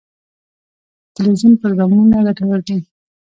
د تلویزیون پروګرامونه ګټور دي.